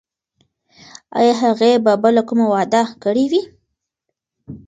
ایا هغې به بله کومه وعده کړې وي؟